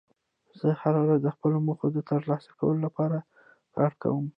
زه هره ورځ د خپلو موخو د ترلاسه کولو لپاره کار کوم